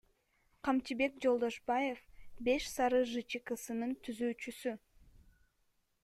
Камчыбек Жолдошбаев — Беш Сары ЖЧКсынын түзүүчүсү.